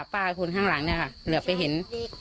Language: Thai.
คนข้างหลังเนี่ยค่ะเหลือไปเห็น